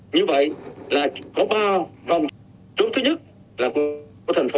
như vậy là có ba vòng trúng thứ nhất là của thành phố